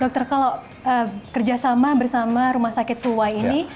dokter kalau kerjasama bersama rumah sakit kuwai ini